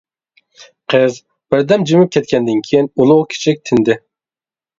قىز بىردەم جىمىپ كەتكەندىن كېيىن ئۇلۇغ-كىچىك تىندى.